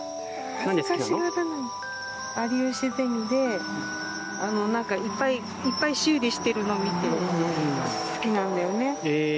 有吉ゼミで、なんかいっぱい修理してるのを見て、好きなんだよね？